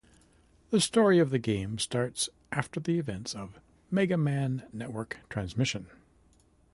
The story of the game starts after the events of "Mega Man Network Transmission".